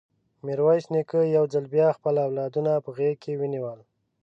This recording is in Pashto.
ميرويس نيکه يو ځل بيا خپل اولادونه په غېږ کې ونيول.